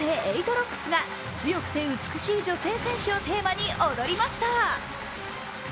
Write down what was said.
ＲＯＣＫＳが強くて美しい女性戦士をテーマに踊りました。